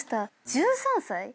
１３歳？